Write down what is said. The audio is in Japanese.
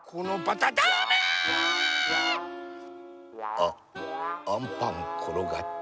あっアンパンころがった。